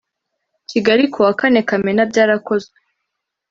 Kigali ku wa kane Kamena byarakozwe